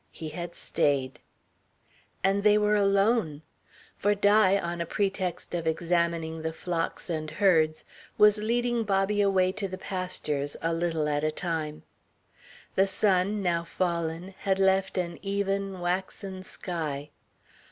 He had stayed. And they were alone. For Di, on a pretext of examining the flocks and herds, was leading Bobby away to the pastures, a little at a time. The sun, now fallen, had left an even, waxen sky.